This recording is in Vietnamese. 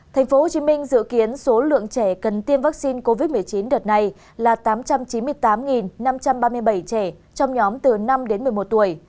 thành phố hồ chí minh dự kiến số lượng trẻ cần tiêm vaccine covid một mươi chín đợt này là tám trăm chín mươi tám năm trăm ba mươi bảy trẻ trong nhóm từ năm đến một mươi một tuổi